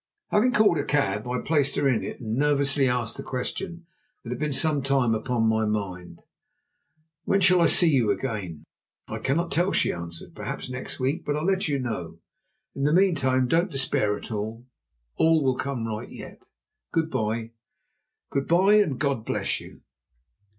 Having called a cab, I placed her in it and nervously asked the question that had been sometime upon my mind: "When shall I see you again?" "I cannot tell," she answered. "Perhaps next week. But I'll let you know. In the meantime don't despair; all will come right yet. Good bye." "Good bye and God bless you!"